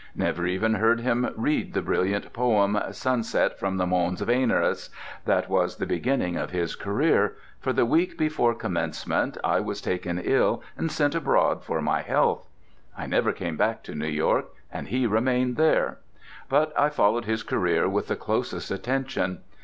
Never even heard him read the brilliant poem "Sunset from the Mons Veneris" that was the beginning of his career, for the week before commencement I was taken ill and sent abroad for my health. I never came back to New York; and he remained there. But I followed his career with the closest attention.